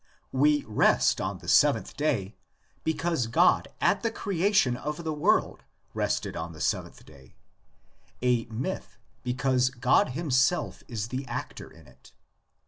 We rest on the seventh day because God at the creation of the world rested on the seventh day (a myth, because 32 THE LEGENDS OF GENESIS. God himself is the actor in it).